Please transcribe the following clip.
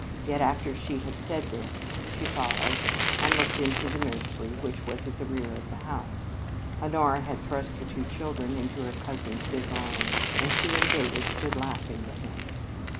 Yet after she had said this, she followed, and looked into the nursery, which was at the rear of the house. Honora had thrust the two children into her cousin's big arms and she and David stood laughing at him.